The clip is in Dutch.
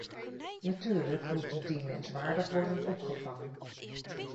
Natuurlijk moeten die menswaardig worden opgevangen.